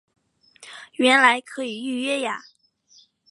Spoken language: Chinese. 原来可以预约呀